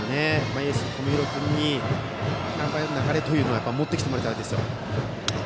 エース、友廣君に流れというのを持ってきてもらいたいです。